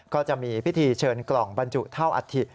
ก็จะมีพิธีเชิญกล่องบรรจุเท่าอัฐิ